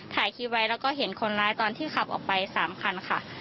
ถ่ายคลิปไว้แล้วก็เห็นคนร้ายตอนที่ขับออกไป๓คันค่ะ